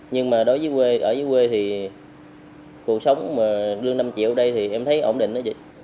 nhưng mà đối với quê ở với quê thì cuộc sống mà lương năm triệu ở đây thì em thấy ổn định đó chị